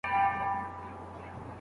نه مو غوښي پخوي څوک په ځولیو